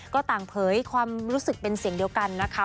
ก็ต่างเผยความรู้สึกเป็นเสียงเดียวกันนะคะ